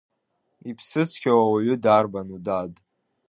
Иԥсыцқьоу ауаҩы дарбану, дад?